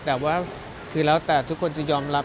แต่ว่าคือแล้วแต่ทุกคนจะยอมรับ